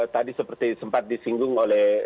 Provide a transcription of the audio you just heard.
tadi seperti sempat disinggung oleh